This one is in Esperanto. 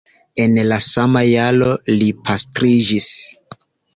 En la sama jaro li pastriĝis.